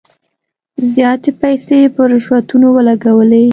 زیاتي پیسې په رشوتونو ولګولې.